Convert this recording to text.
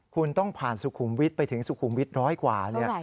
คุณต้องผ่านสุขุมวิทย์ไปถึงสุขุมวิทย์ร้อยกว่าเนี่ย